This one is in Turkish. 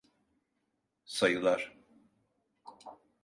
Sayılar…